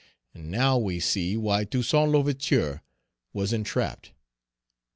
And now we see why Toussaint L'Ouverture was entrapped.